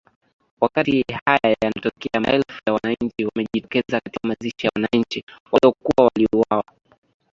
wakati haya yanatokea maelfu ya wananchi wamejitokeza katika mazishi ya wananchi waliokuwa waliuwawa